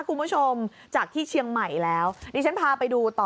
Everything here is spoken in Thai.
คุณผู้ชมจากที่เชียงใหม่แล้วดิฉันพาไปดูต่อ